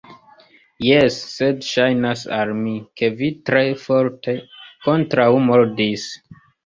Jes, sed ŝajnas al mi, ke vi tre forte kontraŭmordis.